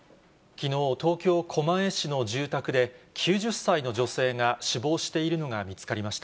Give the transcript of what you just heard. きのう、東京・狛江市の住宅で、９０歳の女性が死亡しているのが見つかりました。